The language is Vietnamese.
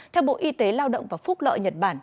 theo bộ y tế lao động và phúc lợi nhật bản